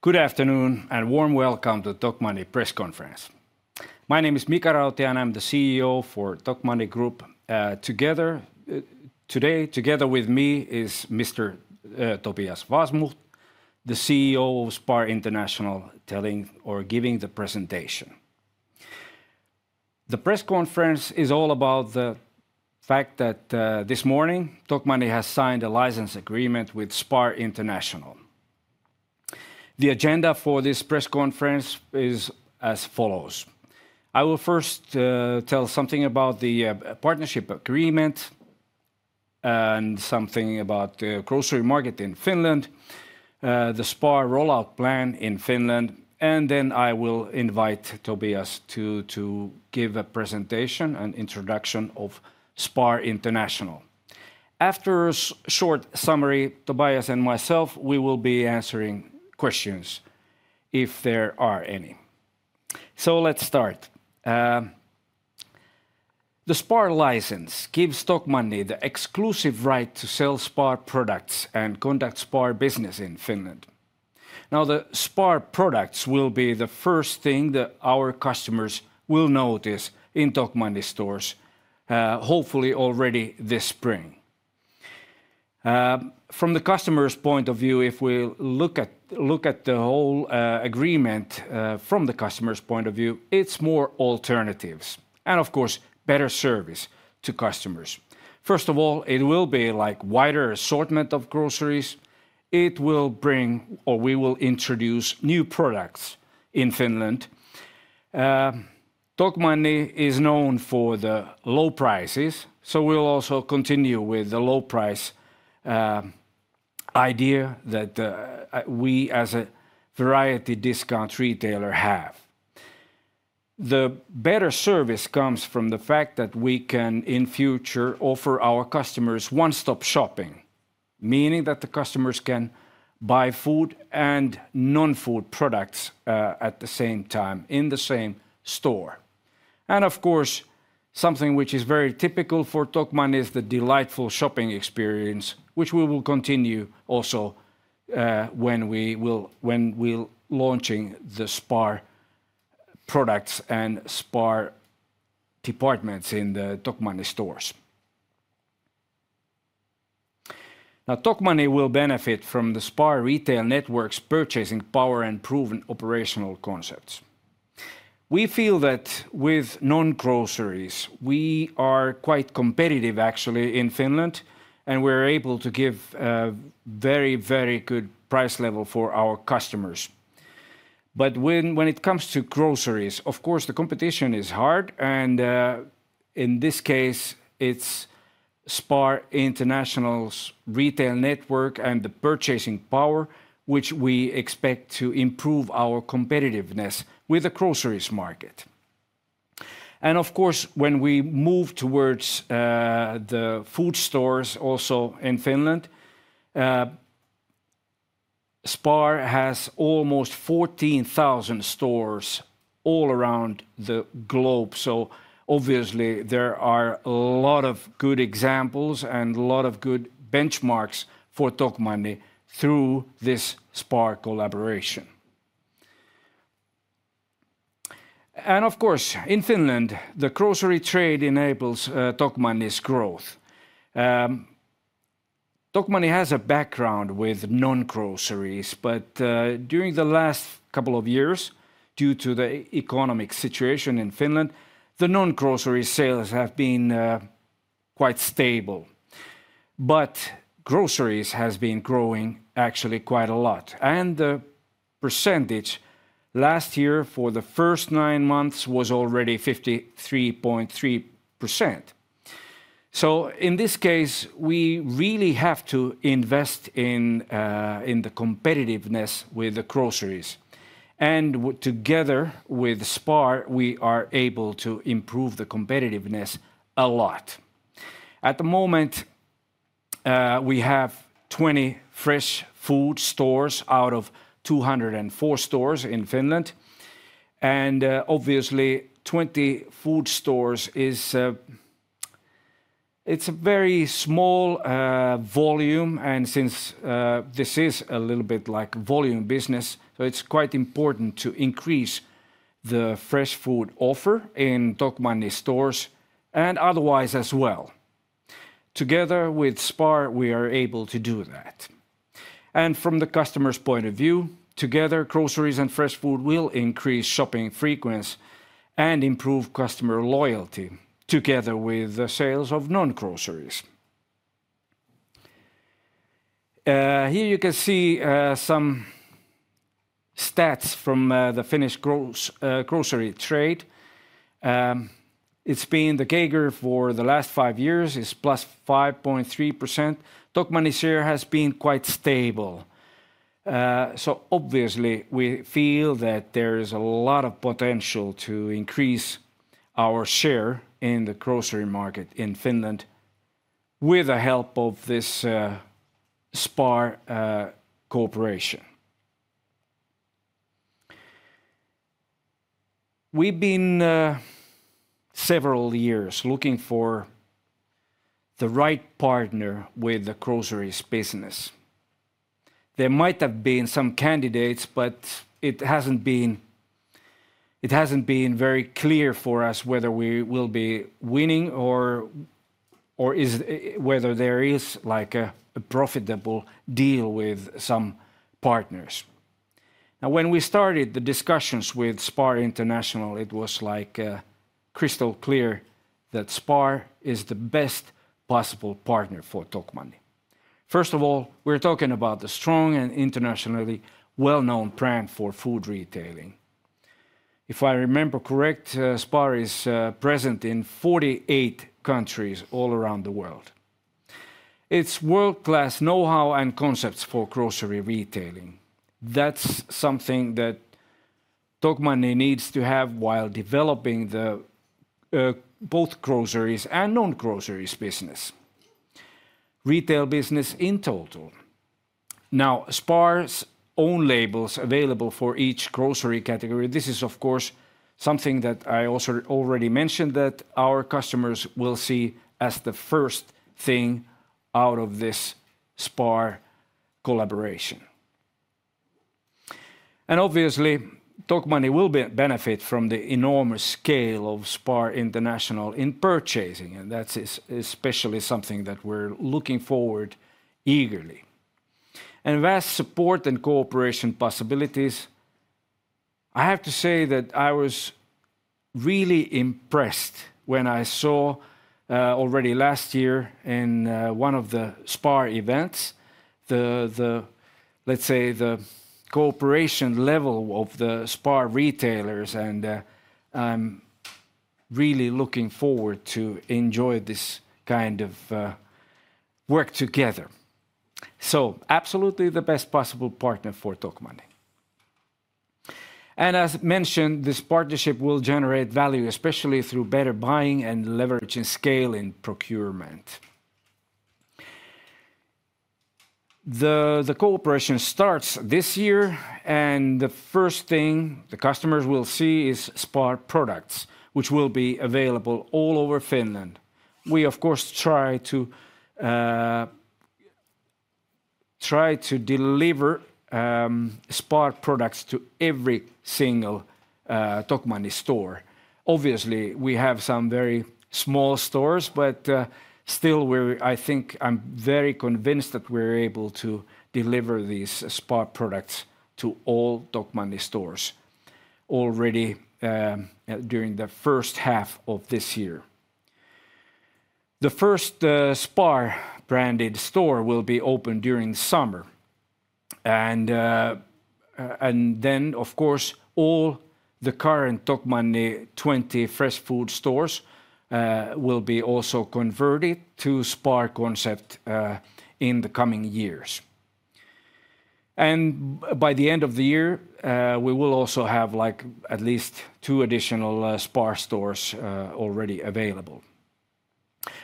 Good afternoon and warm welcome to Tokmanni Press Conference. My name is Mika Rautiainen. I'm the CEO for Tokmanni Group. Today, together with me is Mr. Tobias Wasmuht, the CEO of SPAR International, giving the presentation. The press conference is all about the fact that this morning Tokmanni has signed a license agreement with SPAR International. The agenda for this press conference is as follows. I will first tell something about the partnership agreement and something about the grocery market in Finland, the SPAR rollout plan in Finland, and then I will invite Tobias to give a presentation and introduction of SPAR International. After a short summary, Tobias and myself, we will be answering questions if there are any. Let's start. The SPAR license gives Tokmanni the exclusive right to sell SPAR products and conduct SPAR business in Finland. Now, the SPAR products will be the first thing that our customers will notice in Tokmanni stores, hopefully already this spring. From the customer's point of view, if we look at the whole agreement from the customer's point of view, it's more alternatives and, of course, better service to customers. First of all, it will be like a wider assortment of groceries. It will bring, or we will introduce, new products in Finland. Tokmanni is known for the low prices, so we'll also continue with the low price idea that we as a variety discount retailer have. The better service comes from the fact that we can, in future, offer our customers one-stop shopping, meaning that the customers can buy food and non-food products at the same time in the same store. Of course, something which is very typical for Tokmanni is the delightful shopping experience, which we will continue also when we will be launching the SPAR products and SPAR departments in the Tokmanni stores. Now, Tokmanni will benefit from the SPAR retail network's purchasing power and proven operational concepts. We feel that with non-groceries, we are quite competitive, actually, in Finland, and we're able to give a very, very good price level for our customers. But when it comes to groceries, of course, the competition is hard, and in this case, it's SPAR International's retail network and the purchasing power, which we expect to improve our competitiveness with the groceries market. Of course, when we move towards the food stores also in Finland, SPAR has almost 14,000 stores all around the globe. Obviously, there are a lot of good examples and a lot of good benchmarks for Tokmanni through this SPAR collaboration. Of course, in Finland, the grocery trade enables Tokmanni's growth. Tokmanni has a background with non-groceries, but during the last couple of years, due to the economic situation in Finland, the non-grocery sales have been quite stable. Groceries have been growing, actually, quite a lot. The percentage last year for the first nine months was already 53.3%. In this case, we really have to invest in the competitiveness with the groceries. Together with SPAR, we are able to improve the competitiveness a lot. At the moment, we have 20 fresh food stores out of 204 stores in Finland. Obviously, 20 food stores is a very small volume, and since this is a little bit like volume business, so it's quite important to increase the fresh food offer in Tokmanni stores and otherwise as well. Together with SPAR, we are able to do that. And from the customer's point of view, together, groceries and fresh food will increase shopping frequency and improve customer loyalty together with the sales of non-groceries. Here you can see some stats from the Finnish grocery trade. It's been the CAGR for the last five years is plus 5.3%. Tokmanni's share has been quite stable. So obviously, we feel that there is a lot of potential to increase our share in the grocery market in Finland with the help of this SPAR cooperation. We've been several years looking for the right partner with the groceries business. There might have been some candidates, but it hasn't been very clear for us whether we will be winning or whether there is like a profitable deal with some partners. Now, when we started the discussions with SPAR International, it was like crystal clear that SPAR is the best possible partner for Tokmanni. First of all, we're talking about the strong and internationally well-known brand for food retailing. If I remember correct, SPAR is present in 48 countries all around the world. It's world-class know-how and concepts for grocery retailing. That's something that Tokmanni needs to have while developing both groceries and non-groceries business, retail business in total. Now, SPAR's own labels available for each grocery category, this is, of course, something that I also already mentioned that our customers will see as the first thing out of this SPAR collaboration. And obviously, Tokmanni will benefit from the enormous scale of SPAR International in purchasing, and that's especially something that we're looking forward to eagerly. And vast support and cooperation possibilities, I have to say that I was really impressed when I saw already last year in one of the SPAR events, let's say the cooperation level of the SPAR retailers, and I'm really looking forward to enjoying this kind of work together. So absolutely the best possible partner for Tokmanni. And as mentioned, this partnership will generate value, especially through better buying and leveraging scale in procurement. The cooperation starts this year, and the first thing the customers will see is SPAR products, which will be available all over Finland. We, of course, try to deliver SPAR products to every single Tokmanni store. Obviously, we have some very small stores, but still, I think I'm very convinced that we're able to deliver these SPAR products to all Tokmanni stores already during the first half of this year. The first SPAR branded store will be open during summer. And then, of course, all the current Tokmanni 20 fresh food stores will be also converted to SPAR concept in the coming years. And by the end of the year, we will also have at least two additional SPAR stores already available.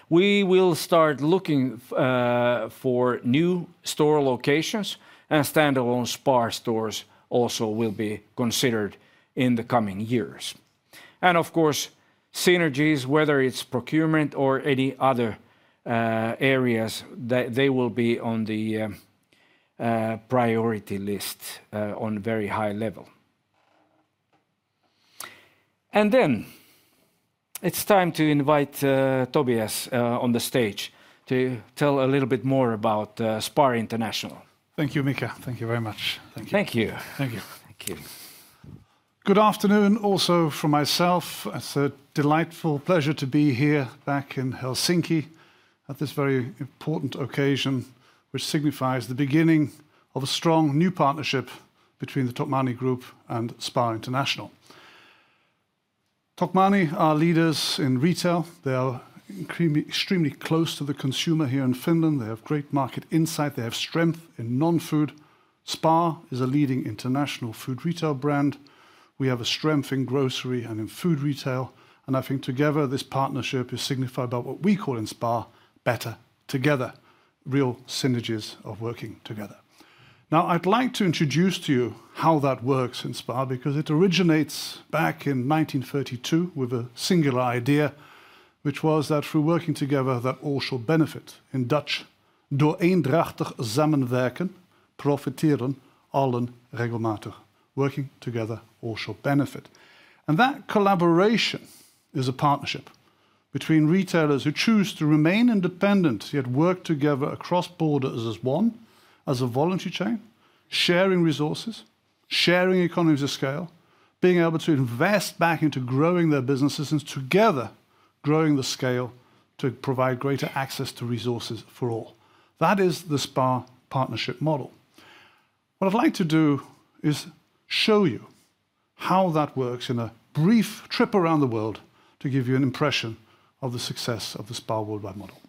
We will start looking for new store locations, and standalone SPAR stores also will be considered in the coming years. And, of course, synergies, whether it's procurement or any other areas, they will be on the priority list on a very high level. And then it's time to invite Tobias on the stage to tell a little bit more about SPAR International. Thank you, Mika. Thank you very much. Thank you. Thank you. Thank you. Good afternoon also from myself. It's a delightful pleasure to be here back in Helsinki at this very important occasion, which signifies the beginning of a strong new partnership between the Tokmanni Group and SPAR International. Tokmanni are leaders in retail. They are extremely close to the consumer here in Finland. They have great market insight. They have strength in non-food. SPAR is a leading international food retail brand. We have a strength in grocery and in food retail. And I think together, this partnership is signified by what we call in SPAR better together, real synergies of working together. Now, I'd like to introduce to you how that works in SPAR because it originates back in 1932 with a singular idea, which was that through working together, that all shall benefit. In Dutch: door samen te werken profiteren allen regelmatig. Working together all shall benefit. That collaboration is a partnership between retailers who choose to remain independent, yet work together across borders as one, as a voluntary chain, sharing resources, sharing economies of scale, being able to invest back into growing their businesses and together growing the scale to provide greater access to resources for all. That is the SPAR partnership model. What I'd like to do is show you how that works in a brief trip around the world to give you an impression of the success of the SPAR worldwide model.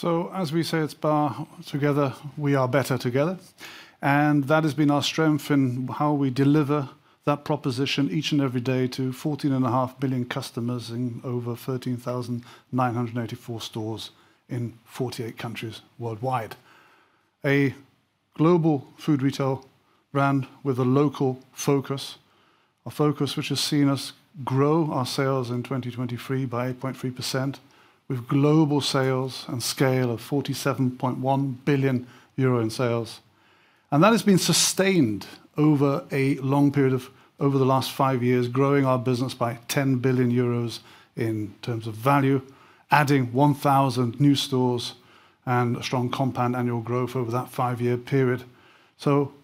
So as we say at SPAR, together, we are better together. And that has been our strength in how we deliver that proposition each and every day to 14.5 billion customers in over 13,984 stores in 48 countries worldwide. A global food retail brand with a local focus, a focus which has seen us grow our sales in 2023 by 8.3% with global sales and scale of 47.1 billion euro in sales. That has been sustained over a long period of over the last five years, growing our business by 10 billion euros in terms of value, adding 1,000 new stores and a strong compound annual growth over that five-year period.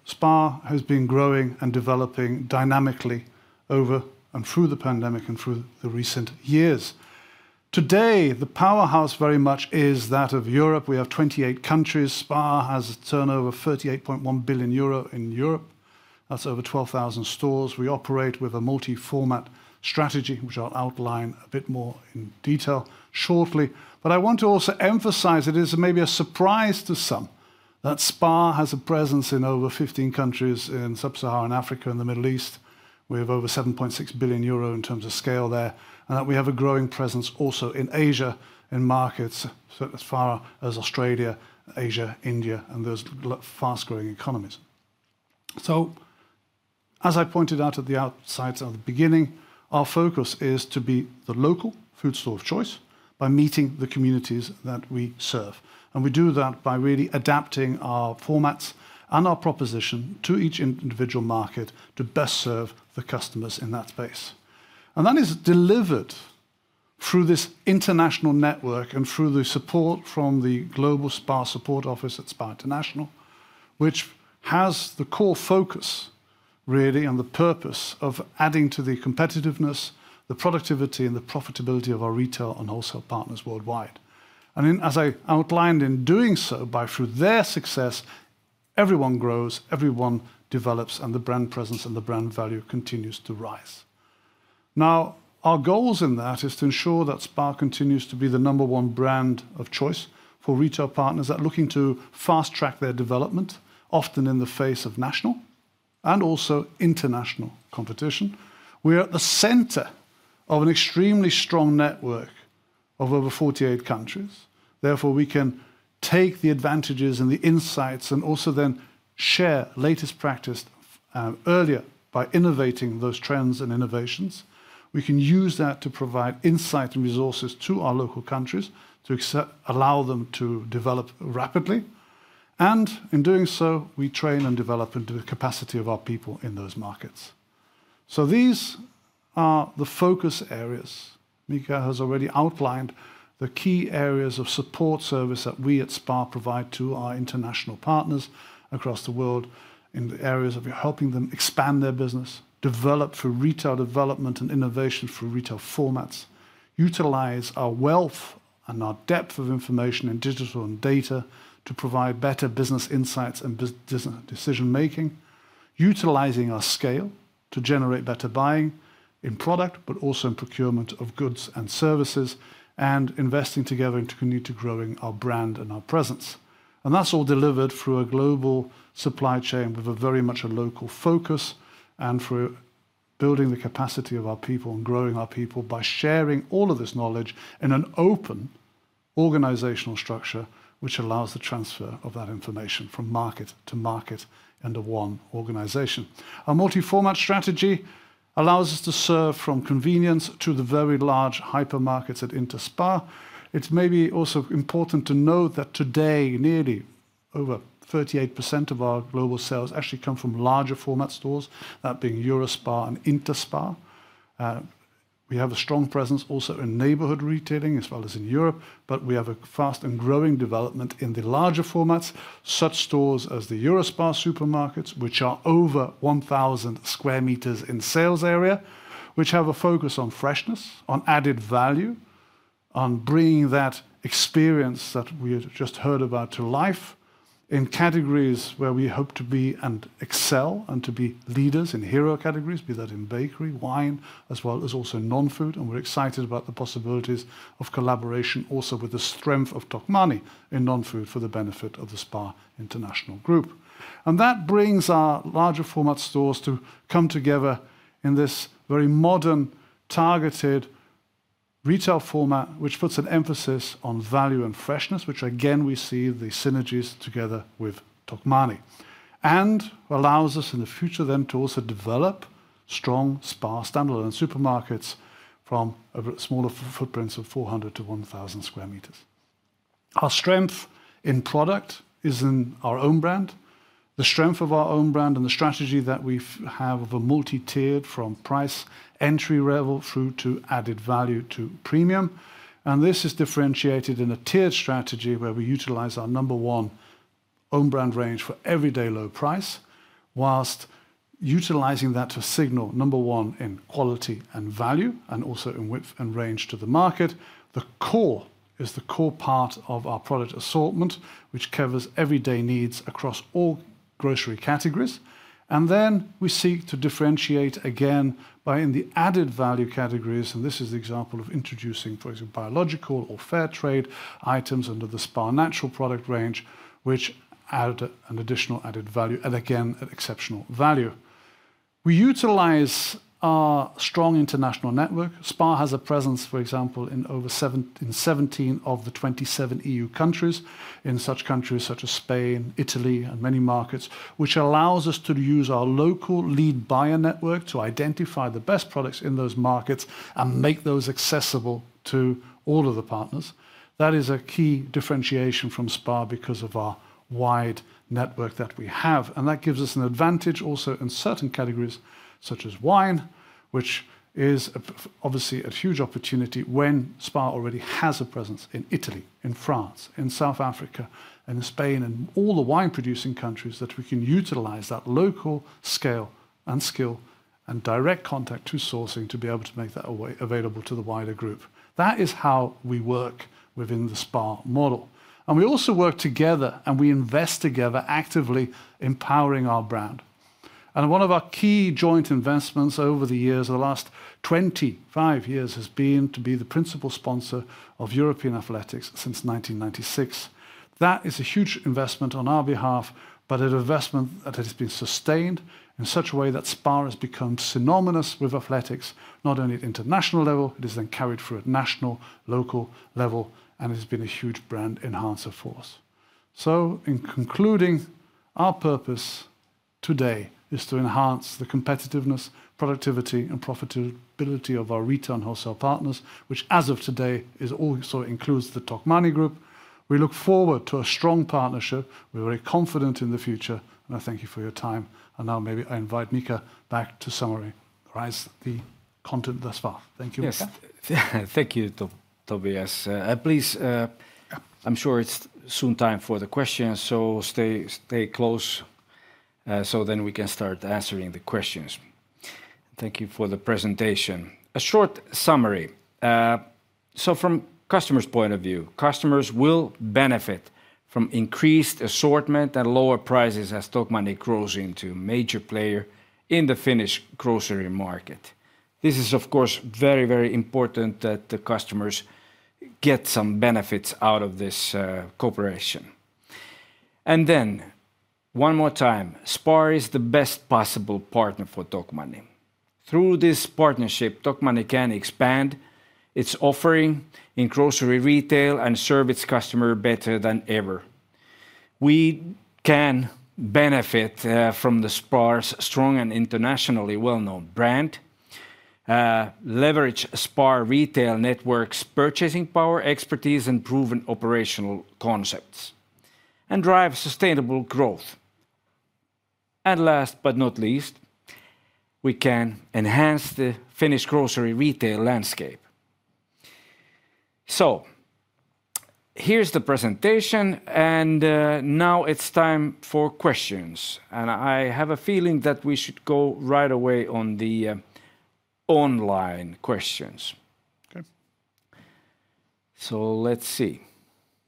SPAR has been growing and developing dynamically over and through the pandemic and through the recent years. Today, the powerhouse very much is that of Europe. We have 28 countries. SPAR has a turnover of 38.1 billion euro in Europe. That's over 12,000 stores. We operate with a multi-format strategy, which I'll outline a bit more in detail shortly. I want to also emphasize it is maybe a surprise to some that SPAR has a presence in over 15 countries in Sub-Saharan Africa and the Middle East. We have over 7.6 billion euro in terms of scale there, and that we have a growing presence also in Asia and markets as far as Australia, Asia, India, and those fast-growing economies. As I pointed out at the outset of the beginning, our focus is to be the local food store of choice by meeting the communities that we serve. We do that by really adapting our formats and our proposition to each individual market to best serve the customers in that space. That is delivered through this international network and through the support from the global SPAR support office at SPAR International, which has the core focus really on the purpose of adding to the competitiveness, the productivity, and the profitability of our retail and wholesale partners worldwide. As I outlined in doing so through their success, everyone grows, everyone develops, and the brand presence and the brand value continues to rise. Now, our goals in that is to ensure that SPAR continues to be the number one brand of choice for retail partners that are looking to fast-track their development, often in the face of national and also international competition. We are at the center of an extremely strong network of over 48 countries. Therefore, we can take the advantages and the insights and also then share latest practice earlier by innovating those trends and innovations. We can use that to provide insight and resources to our local countries to allow them to develop rapidly. In doing so, we train and develop into the capacity of our people in those markets. These are the focus areas. Mika has already outlined the key areas of support service that we at SPAR provide to our international partners across the world in the areas of helping them expand their business, develop for retail development and innovation for retail formats, utilize our wealth and our depth of information and digital and data to provide better business insights and business decision-making, utilizing our scale to generate better buying in product, but also in procurement of goods and services, and investing together to continue to grow our brand and our presence. That's all delivered through a global supply chain with very much a local focus and for building the capacity of our people and growing our people by sharing all of this knowledge in an open organizational structure, which allows the transfer of that information from market to market and to one organization. Our multi-format strategy allows us to serve from convenience to the very large hypermarkets at INTERSPAR. It's maybe also important to note that today, nearly over 38% of our global sales actually come from larger format stores, that being EUROSPAR and INTERSPAR. We have a strong presence also in neighborhood retailing as well as in Europe, but we have a fast and growing development in the larger formats, such stores as the EUROSPAR supermarkets, which are over 1,000 sq m in sales area, which have a focus on freshness, on added value, on bringing that experience that we just heard about to life in categories where we hope to be and excel and to be leaders in hero categories, be that in bakery, wine, as well as also non-food, and we're excited about the possibilities of collaboration also with the strength of Tokmanni in non-food for the benefit of the SPAR International Group, and that brings our larger format stores to come together in this very modern targeted retail format, which puts an emphasis on value and freshness, which again we see the synergies together with Tokmanni. Allows us in the future then to also develop strong SPAR standalone supermarkets from smaller footprints of 400-1,000 sq m. Our strength in product is in our own brand, the strength of our own brand and the strategy that we have of a multi-tiered from price entry level through to added value to premium. This is differentiated in a tiered strategy where we utilize our number one own brand range for everyday low price, while utilizing that to signal number one in quality and value and also in width and range to the market. The core is the core part of our product assortment, which covers everyday needs across all grocery categories. And then we seek to differentiate again by in the added value categories, and this is the example of introducing, for example, biological or fair trade items under the SPAR Natural product range, which add an additional added value and again exceptional value. We utilize our strong international network. SPAR has a presence, for example, in over 17 of the 27 EU countries, in such countries such as Spain, Italy, and many markets, which allows us to use our local lead buyer network to identify the best products in those markets and make those accessible to all of the partners. That is a key differentiation from SPAR because of our wide network that we have. And that gives us an advantage also in certain categories such as wine, which is obviously a huge opportunity when SPAR already has a presence in Italy, in France, in South Africa, and in Spain, and all the wine-producing countries that we can utilize that local scale and skill and direct contact to sourcing to be able to make that available to the wider group. That is how we work within the SPAR model. And we also work together and we invest together actively empowering our brand. And one of our key joint investments over the years of the last 25 years has been to be the principal sponsor of European Athletics since 1996. That is a huge investment on our behalf, but an investment that has been sustained in such a way that SPAR has become synonymous with athletics, not only at international level. It has then carried through at national, local level, and it has been a huge brand enhancer for us. So in concluding, our purpose today is to enhance the competitiveness, productivity, and profitability of our retail and wholesale partners, which as of today is also includes the Tokmanni Group. We look forward to a strong partnership. We're very confident in the future. And I thank you for your time. And now maybe I invite Mika back to summarize the content thus far. Thank you. Yes. Thank you, Tobias. Please, I'm sure it's soon time for the questions. So stay close, so then we can start answering the questions. Thank you for the presentation. A short summary. So from customers' point of view, customers will benefit from increased assortment and lower prices as Tokmanni grows into a major player in the Finnish grocery market. This is, of course, very, very important that the customers get some benefits out of this cooperation, and then one more time, SPAR is the best possible partner for Tokmanni. Through this partnership, Tokmanni can expand its offering in grocery retail and serve its customer better than ever. We can benefit from the SPAR's strong and internationally well-known brand, leverage SPAR retail network's purchasing power, expertise, and proven operational concepts, and drive sustainable growth, and last but not least, we can enhance the Finnish grocery retail landscape, so here's the presentation, and now it's time for questions, and I have a feeling that we should go right away on the online questions. Okay, so let's see.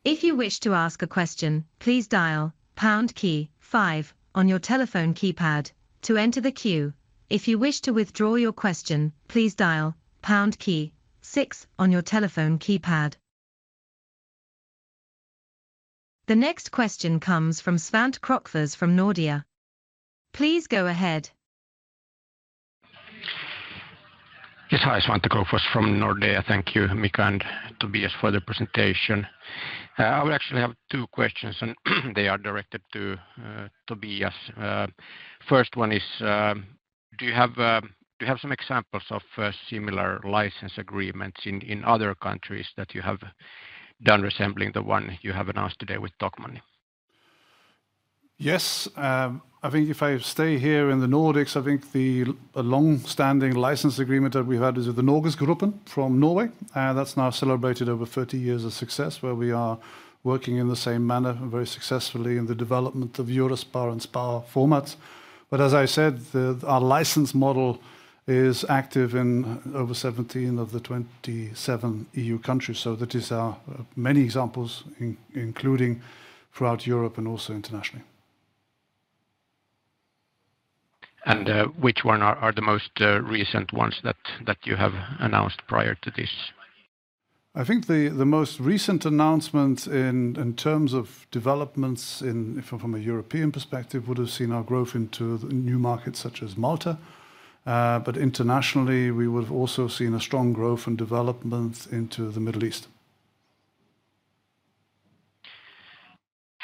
If you wish to ask a question, please dial pound key five on your telephone keypad to enter the queue. If you wish to withdraw your question, please dial pound key six on your telephone keypad. The next question comes from Svante Krokfors from Nordea. Please go ahead. Yes, hi, Svante Krokfors from Nordea. Thank you, Mika and Tobias for the presentation. I would actually have two questions, and they are directed to Tobias. First one is, do you have some examples of similar license agreements in other countries that you have done resembling the one you have announced today with Tokmanni? Yes. I think if I stay here in the Nordics, I think the long-standing license agreement that we've had is with the NorgesGruppen from Norway. That's now celebrated over 30 years of success where we are working in the same manner, very successfully in the development of EUROSPAR and Spar formats. But as I said, our license model is active in over 17 of the 27 EU countries. So that is many examples, including throughout Europe and also internationally. And which one are the most recent ones that you have announced prior to this? I think the most recent announcement in terms of developments from a European perspective would have seen our growth into new markets such as Malta. But internationally, we would have also seen a strong growth and development into the Middle East.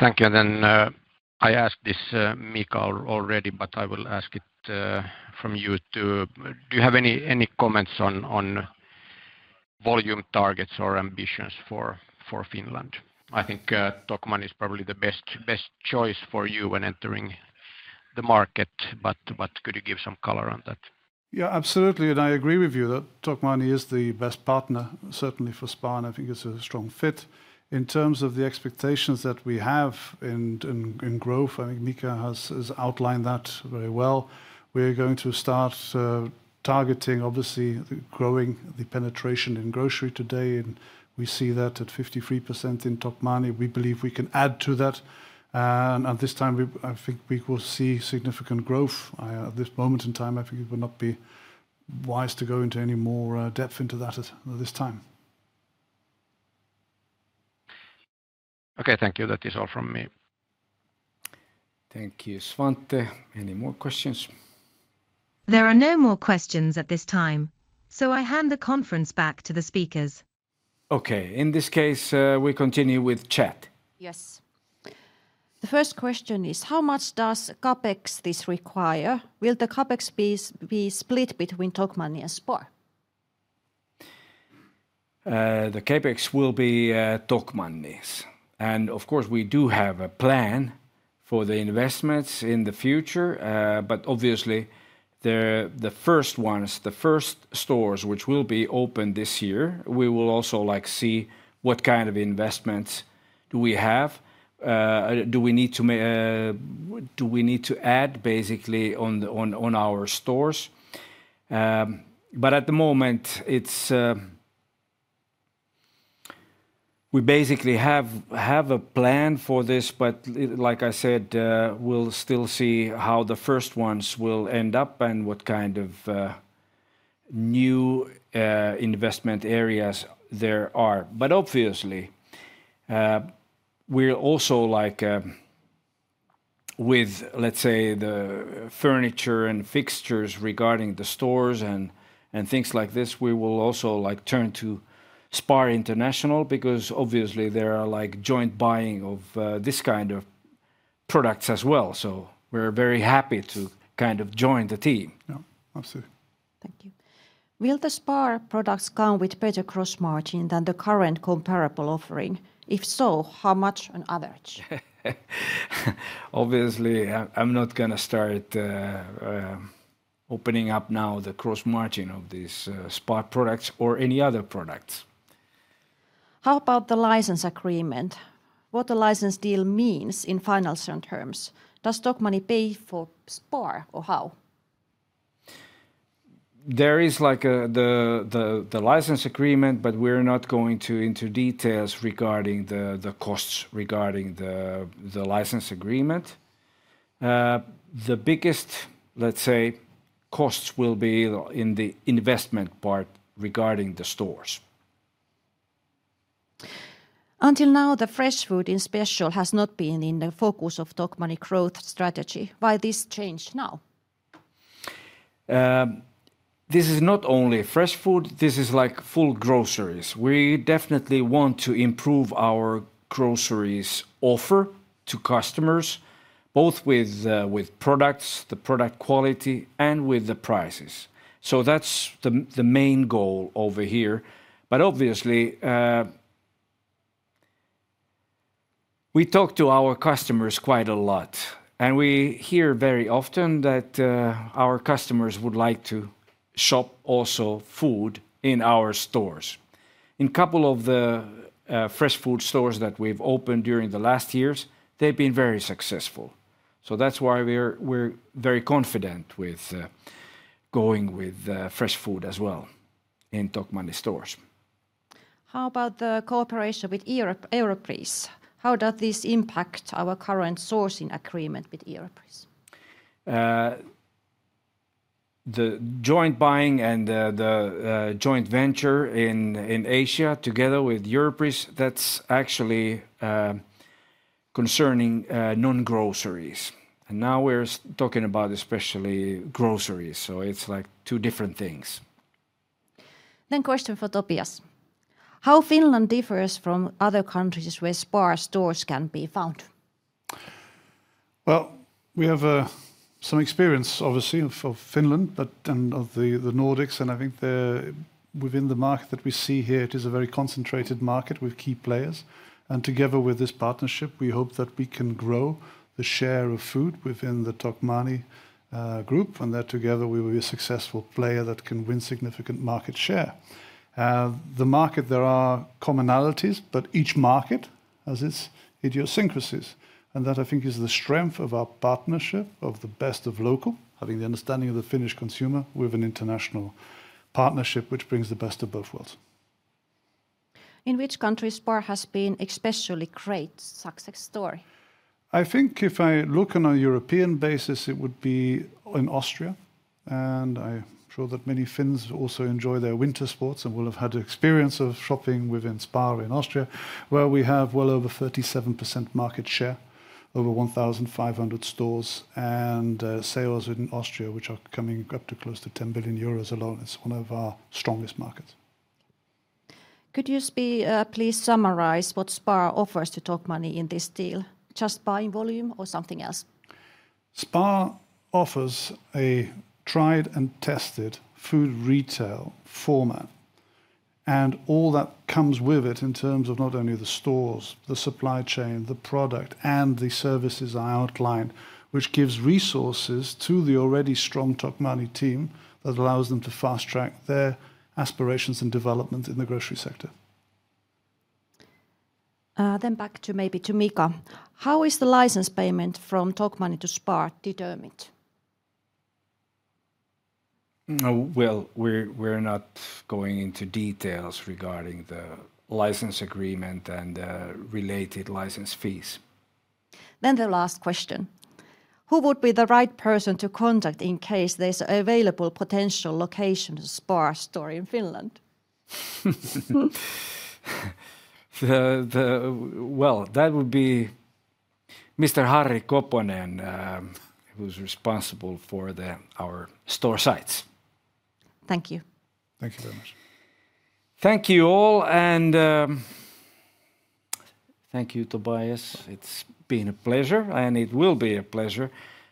Thank you. And then I asked this Mika already, but I will ask it from you too. Do you have any comments on volume targets or ambitions for Finland? I think Tokmanni is probably the best choice for you when entering the market, but could you give some color on that? Yeah, absolutely. I agree with you that Tokmanni is the best partner, certainly for SPAR. I think it's a strong fit. In terms of the expectations that we have in growth, I think Mika has outlined that very well. We're going to start targeting, obviously, growing the penetration in grocery today. We see that at 53% in Tokmanni. We believe we can add to that. This time, I think we will see significant growth. At this moment in time, I think it would not be wise to go into any more depth into that at this time. Okay, thank you. That is all from me. Thank you, Svante. Any more questions? There are no more questions at this time, so I hand the conference back to the speakers. Okay. In this case, we continue with chat. Yes. The first question is, how much does CAPEX this require? Will the CapEx be split between Tokmanni and SPAR? The CapEx will be Tokmanni, and of course, we do have a plan for the investments in the future, but obviously, the first ones, the first stores which will be open this year, we will also see what kind of investments do we have. Do we need to add basically on our stores? But at the moment, we basically have a plan for this, but like I said, we'll still see how the first ones will end up and what kind of new investment areas there are. But obviously, we're also with, let's say, the furniture and fixtures regarding the stores and things like this, we will also turn to SPAR International because obviously there are joint buying of this kind of products as well, so we're very happy to kind of join the team. Absolutely. Thank you. Will the SPAR products come with better gross margin than the current comparable offering? If so, how much on average? Obviously, I'm not going to start opening up now the gross margin of these SPAR products or any other products. How about the license agreement? What does the license deal mean in financial terms? Does Tokmanni pay for SPAR or how? There is the license agreement, but we're not going into details regarding the costs regarding the license agreement. The biggest, let's say, costs will be in the investment part regarding the stores. Until now, the fresh food especially has not been in the focus of Tokmanni growth strategy. Why this change now? This is not only fresh food. This is like full groceries. We definitely want to improve our groceries offer to customers, both with products, the product quality, and with the prices. So that's the main goal over here. But obviously, we talk to our customers quite a lot. And we hear very often that our customers would like to shop also food in our stores. In a couple of the fresh food stores that we've opened during the last years, they've been very successful. So that's why we're very confident with going with fresh food as well in Tokmanni stores. How about the cooperation with Europris? How does this impact our current sourcing agreement with Europris? The joint buying and the joint venture in Asia together with Europris, that's actually concerning non-groceries. And now we're talking about especially groceries. So it's like two different things. Then question for Tobias. How Finland differs from other countries where SPAR stores can be found? Well, we have some experience, obviously, of Finland and of the Nordics. I think within the market that we see here, it is a very concentrated market with key players. Together with this partnership, we hope that we can grow the share of food within the Tokmanni Group. That together, we will be a successful player that can win significant market share. The market, there are commonalities, but each market has its idiosyncrasies. That, I think, is the strength of our partnership, of the best of local, having the understanding of the Finnish consumer with an international partnership, which brings the best of both worlds. In which countries SPAR has been especially great? Success story. I think if I look on a European basis, it would be in Austria. I'm sure that many Finns also enjoy their winter sports and will have had the experience of shopping within SPAR in Austria, where we have well over 37% market share, over 1,500 stores and sales in Austria, which are coming up to close to 10 billion euros alone. It's one of our strongest markets. Could you please summarize what SPAR offers to Tokmanni in this deal? Just buying volume or something else? SPAR offers a tried and tested food retail format. All that comes with it in terms of not only the stores, the supply chain, the product, and the services I outlined, which gives resources to the already strong Tokmanni team that allows them to fast track their aspirations and development in the grocery sector. Then back to maybe to Mika. How is the license payment from Tokmanni to SPAR determined? Well, we're not going into details regarding the license agreement and related license fees. Then the last question. Who would be the right person to contact in case there's available potential location of SPAR store in Finland? Well, that would be Mr. Harri Koponen, who's responsible for our store sites. Thank you. Thank you very much. Thank you all. And thank you, Tobias. It's been a pleasure, and it will be a pleasure.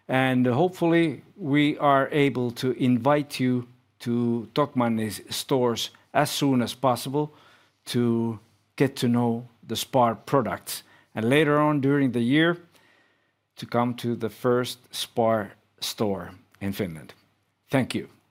And hopefully, we are able to invite you to Tokmanni's stores as soon as possible to get to know the SPAR products. And later on during the year, to come to the first SPAR store in Finland. Thank you.